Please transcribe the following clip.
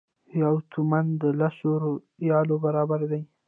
یو تومان د لسو ریالو برابر دی.